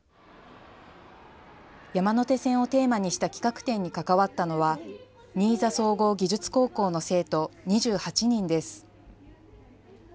山手線をテーマにした企画展に関わったのは新座総合技術高校の生徒２８人です。